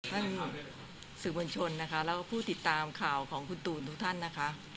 สื่อมวลชนนะคะแล้วก็ผู้ติดตามข่าวของคุณตูนทุกท่านนะคะ